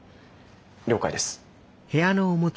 了解です。